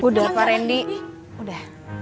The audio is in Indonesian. udah pak rendy udah